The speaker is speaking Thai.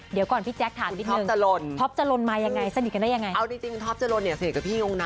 เดียวก่อนพี่แจ็คถามนิดหนึ่ง